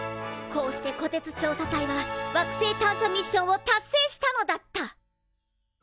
こうしてこてつ調査隊は惑星探査ミッションを達成したのだった！